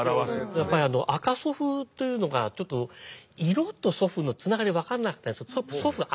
やっぱり赤祖父というのがちょっと色と祖父のつながりが分からなかった